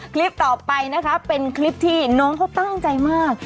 คลิปต่อไปนะคะเป็นคลิปที่น้องเขาตั้งใจมาก